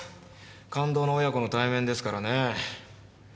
感動の親子の対面ですからねぇ。